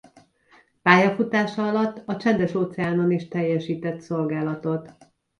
Pályafutása alatt a Csendes-óceánon is teljesített szolgálatot.